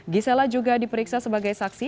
gisela juga diperiksa sebagai saksi